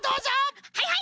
はいはい！